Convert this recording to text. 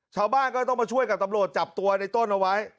ชาวบ้านก็ต้องมาช่วยกับตำรวจจับตัวในต้นเอาไว้